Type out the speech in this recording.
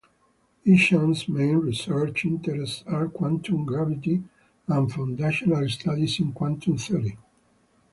Isham's main research interests are quantum gravity and foundational studies in quantum theory.